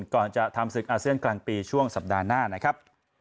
ก่อนจะทำศึกอาเซียนกลางปีช่วงสัปดาห์หน้านะครับ